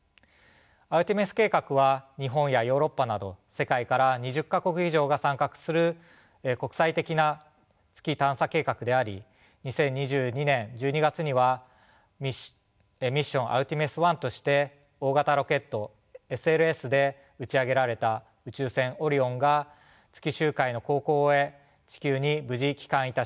アルテミス計画は日本やヨーロッパなど世界から２０か国以上が参画する国際的な月探査計画であり２０２２年１２月にはミッション「アルテミス１」として大型ロケットＳＬＳで打ち上げられた宇宙船オリオンが月周回の航行を終え地球に無事帰還いたしました。